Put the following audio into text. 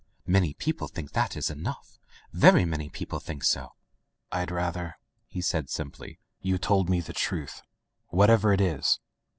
"Many people think that is enough. Fery many people diink so." "Fd rather," he said simply, "you told me the truth, whatever it is.